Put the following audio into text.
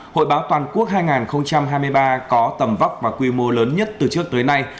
hội báo toàn quốc hai nghìn hai mươi ba có tầm vóc và quy mô lớn nhất từ trước tới nay